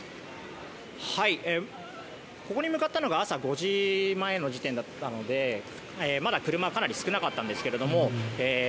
ここに向かったのが朝５時前の時点だったのでまだ車はかなり少なかったんですけれども。